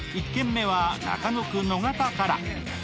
１軒目は中野区野方から。